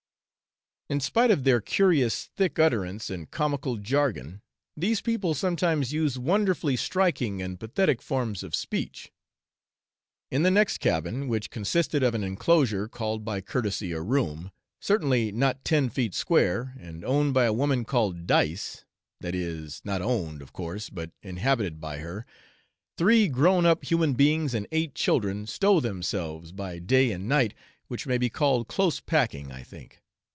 In spite of their curious thick utterance and comical jargon, these people sometimes use wonderfully striking and pathetic forms of speech. In the next cabin, which consisted of an enclosure, called by courtesy a room, certainly not ten feet square, and owned by a woman called Dice that is, not owned, of course, but inhabited by her three grown up human beings and eight children stow themselves by day and night, which may be called close packing, I think.